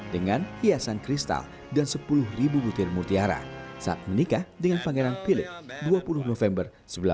dengan hiasan kristal dan sepuluh butir mutiara saat menikah dengan pangeran philip dua puluh november seribu sembilan ratus empat puluh